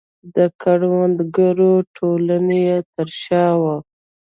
د کروندګرو ټولنه یې تر شا وه.